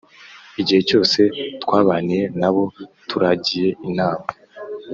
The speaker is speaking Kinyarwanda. igihe cyose twabaniye na bo turagiye intama.